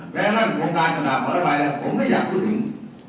แม้ละโรงการกระถาปอดบายแล้วผมก็ไม่อยากพูดถึง